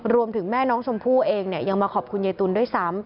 รวมถึงแม่น้องชมพู่เองยังมาขอบคุณยายตุลด้วยซ้ำ